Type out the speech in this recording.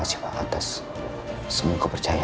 aku coba saja sengaja ataunya